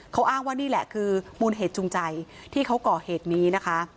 เขาอ้างว่านี่แหละคือมูลเหตุจูงใจที่เขาก่อเหตุนี้นะคะ